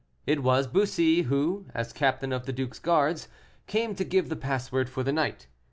It was Bussy, who, as captain of the duke's guards, came to give the password for the night.